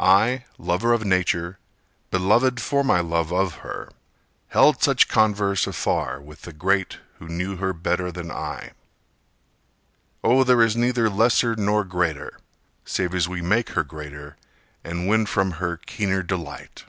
I, lover of Nature, beloved for my love of her, Held such converse afar with the great Who knew her better than I. Oh, there is neither lesser nor greater, Save as we make her greater and win from her keener delight.